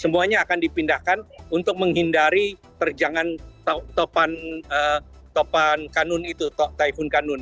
semuanya akan dipindahkan untuk menghindari terjangan topan kanun itu tyfun kanun